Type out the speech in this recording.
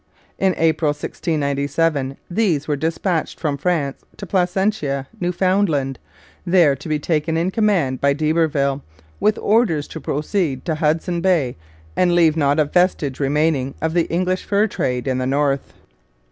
In April 1697 these were dispatched from France to Placentia, Newfoundland, there to be taken in command by d'Iberville, with orders to proceed to Hudson Bay and leave not a vestige remaining of the English fur trade in the North.